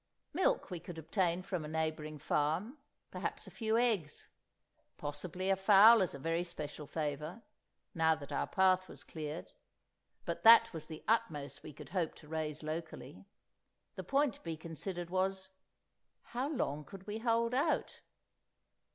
Milk we could obtain from a neighbouring farm, perhaps a few eggs, possibly a fowl as a very special favour, now that our path was cleared; but that was the utmost we could hope to raise locally. The point to be considered was: How long could we hold out?